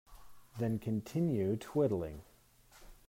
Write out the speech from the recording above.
Then continue twiddling.